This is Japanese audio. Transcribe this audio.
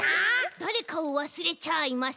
だれかをわすれちゃいませんか？